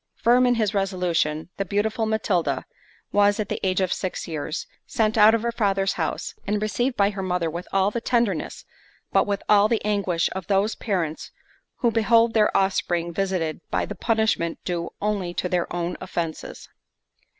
Firm in his resolution, the beautiful Matilda, was, at the age of six years, sent out of her father's house, and received by her mother with all the tenderness, but with all the anguish, of those parents, who behold their offspring visited by the punishment due only to their own offences.